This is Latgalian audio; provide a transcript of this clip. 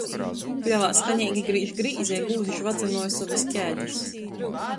Pļovā skaneigi grīž grīze i gūvs žvadzynoj sovys kēdis.